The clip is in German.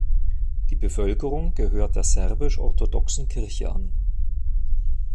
Die Bevölkerung gehört der Serbisch-orthodoxen Kirche an.